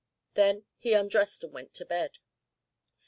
Then he undressed and went to bed.